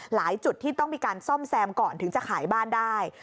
จุดที่ต้องมีการซ่อมแซมก่อนถึงจะขายบ้านได้